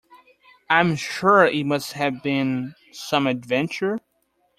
I am sure it must have been some adventure.